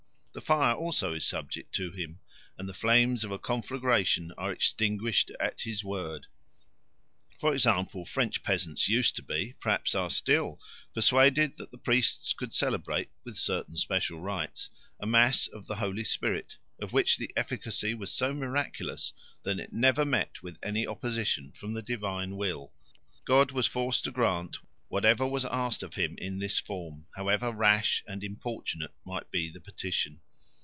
The fire also is subject to him, and the flames of a conflagration are extinguished at his word." For example, French peasants used to be, perhaps are still, persuaded that the priests could celebrate, with certain special rites, a Mass of the Holy Spirit, of which the efficacy was so miraculous that it never met with any opposition from the divine will; God was forced to grant whatever was asked of Him in this form, however rash and importunate might be the petition.